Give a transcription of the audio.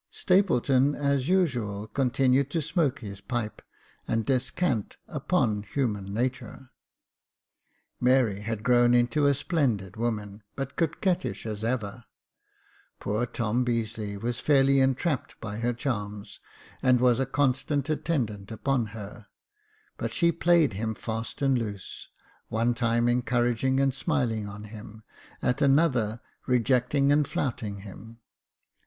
Stapleton, as usual, continued to smoke his pipe and descant upon human natur. Mary had grown into a splendid woman, but coquettish as ever. Poor Tom Beazeley was fairly entrapped by her charms, and was a constant attendant upon her, but she played him fast and loose — one time encouraging and smiling on him, at another rejecting and flouting him.